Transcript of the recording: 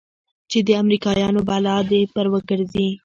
چې د امريکايانو بلا دې پر وګرځي.